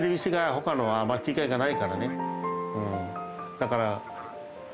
だから。